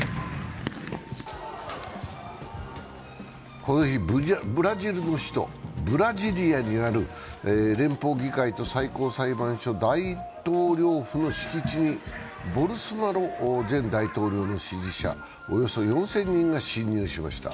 この日、ブラジルの首都ブラジリアにある連邦議会と最高裁判所、大統領府の敷地にボルソナロ前大統領の支持者およそ４０００人が侵入しました。